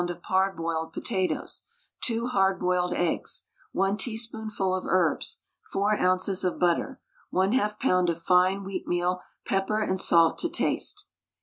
of parboiled potatoes, 2 hard boiled eggs, 1 teaspoonful of herbs, 4 oz. of butter, 1/2 lb. of fine wheatmeal, pepper and salt to taste.